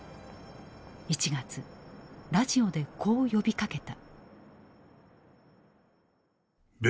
１月ラジオでこう呼びかけた。